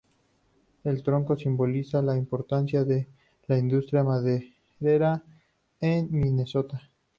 El tronco simboliza la importancia de la industria maderera en Minnesota.